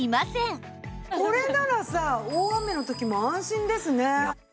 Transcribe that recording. これならさ大雨の時も安心ですね。